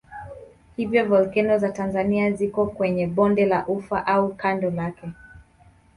Hivyo volkeno za Tanzania ziko kwenye bonde la Ufa au kando lake.